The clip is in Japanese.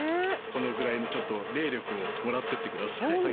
このぐらいのちょっと霊力をもらってってください。